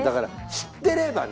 知ってればね